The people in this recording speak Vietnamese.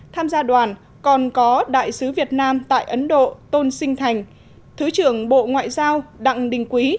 tham gia đoàn còn có đại sứ việt nam tại ấn độ tôn sinh thành thứ trưởng bộ ngoại giao đặng đình quý